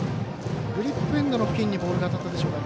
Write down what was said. グリップエンドの付近にボールが当たったでしょうか。